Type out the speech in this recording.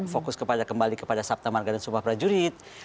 fokus kembali kepada sabta marga dan sebuah prajurit